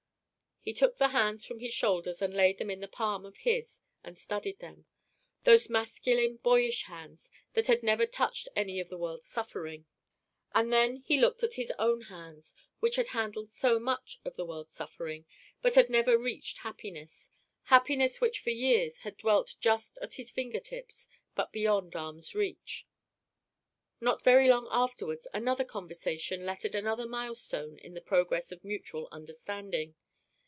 He took the hands from his shoulders and laid them in the palm of his and studied them those masculine boyish hands that had never touched any of the world's suffering. And then he looked at his own hands which had handled so much of the world's suffering, but had never reached happiness; happiness which for years had dwelt just at his finger tips but beyond arm's reach. Not very long afterwards another conversation lettered another mile stone in the progress of mutual understanding.